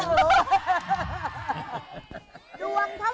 ดวงเท่านั้น